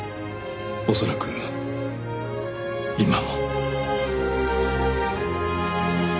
恐らく今も。